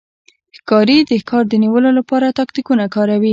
ښکاري د ښکار د نیولو لپاره تاکتیکونه کاروي.